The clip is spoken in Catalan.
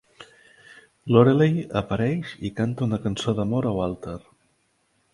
Loreley apareix i canta una cançó d'amor a Walter.